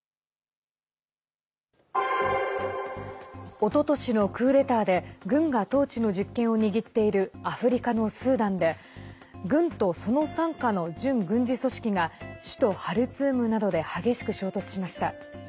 おととしのクーデターで軍が統治の実権を握っているアフリカのスーダンで軍と、その傘下の準軍事組織が首都ハルツームなどで激しく衝突しました。